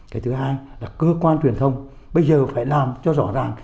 cái thứ hai là cơ quan truyền thông bây giờ phải làm cho rõ ràng